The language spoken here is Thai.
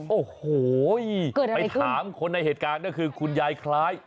โอ้โหไปถามคนในเหตุการณ์ก็คือคุณยายคล้าย